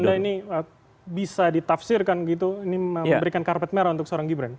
jadi maksud anda ini bisa ditafsirkan gitu ini memberikan karpet merah untuk seorang gibran